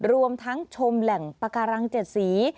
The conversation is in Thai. รวมทั้งชมแหล่งปาการัง๗สี